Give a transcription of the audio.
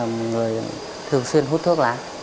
bố là người thường xuyên hút thuốc lá